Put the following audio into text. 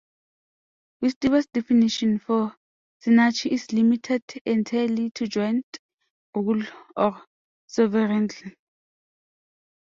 Webster's definition for "synarchy" is limited entirely to "joint rule or sovereignty".